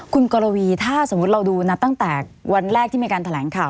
คุณกรวีถ้าสมมุติเราดูนับตั้งแต่วันแรกที่มีการแถลงข่าว